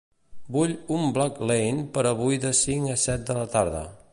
Vull un Blacklane per avui de cinc a set de la tarda.